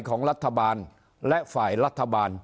ของรัฐบาลและฝ่ายรัฐบาล